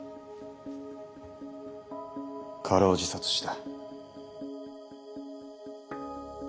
過労自殺した。